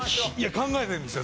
考えてるんですよ